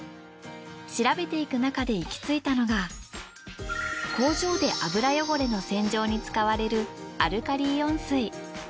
調べていく中で行き着いたのが工場で油汚れの洗浄に使われるアルカリイオン水。